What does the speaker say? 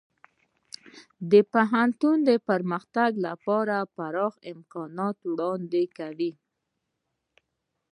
پوهنتون د پرمختګ لپاره پراخه امکانات وړاندې کوي.